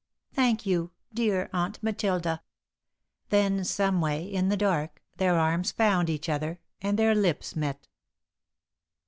"Thank you, dear Aunt Matilda." Then someway, in the dark, their arms found each other and their lips met.